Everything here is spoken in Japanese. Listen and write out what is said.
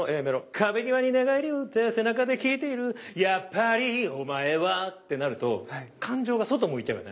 「壁ぎわに寝がえりうって背中できいているやっぱりお前は」ってなると感情が外向いちゃうよね。